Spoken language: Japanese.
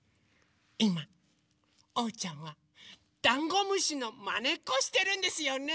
いまおうちゃんはダンゴムシのまねっこしてるんですよね。